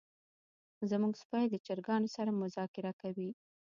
زمونږ سپی د چرګانو سره مذاکره کوي.